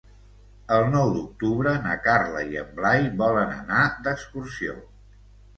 El nou d'octubre na Carla i en Blai volen anar d'excursió.